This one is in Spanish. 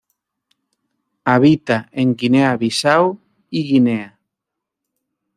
Habita en Guinea-Bissau y Guinea.